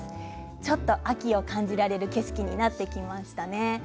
ちょっと秋を感じられる景色になってきましたね。